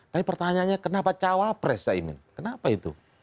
tapi pertanyaannya kenapa cawapres caimin kenapa itu